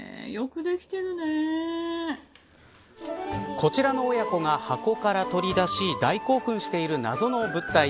こちらの親子が箱から取り出し大興奮している謎の物体。